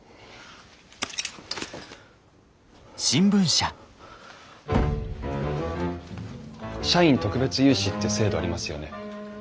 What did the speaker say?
社員特別融資って制度ありますよね。